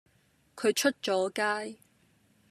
佢出咗街